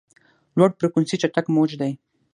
لوړ فریکونسي چټک موج دی.